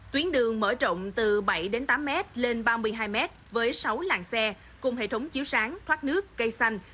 tuyến đường mở rộng từ bảy tám m lên ba mươi hai m với sáu làng xe cùng hệ thống chiếu sáng thoát nước cây xanh